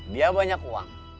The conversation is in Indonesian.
dia banyak uang